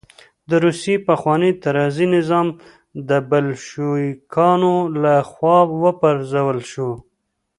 د روسیې پخوانی تزاري نظام د بلشویکانو له خوا وپرځول شو